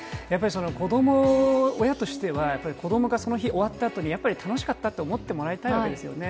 親としては子供がその日終わったあとに楽しかったって思ってもらいたいわけですよね。